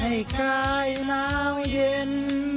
ให้กายหนาวเย็น